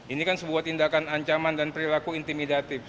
ini kan sebuah tindakan ancaman dan perilaku intimidatif